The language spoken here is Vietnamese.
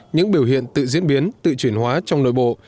những biểu hiện tự diễn biến tự chuyển hóa trong nội bộ